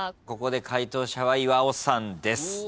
ここで解答者は岩尾さんです。